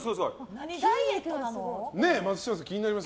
何ダイエットなの？